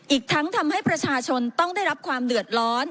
อีกทั้งทำให้ประชาชนต้องได้รับความเดือดร้อน